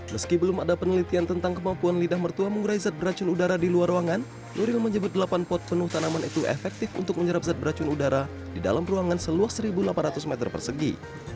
meski belum ada penelitian tentang kemampuan lidah mertua mengurai zat beracun udara di luar ruangan nuril menyebut delapan pot penuh tanaman itu efektif untuk menyerap zat beracun udara di dalam ruangan seluas satu delapan ratus meter persegi